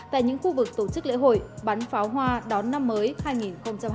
tại những khu vực tổ chức lễ hội bắn pháo hoa đón năm mới hai nghìn hai mươi bốn